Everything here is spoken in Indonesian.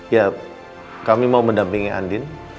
ya kami mau mendampingi andin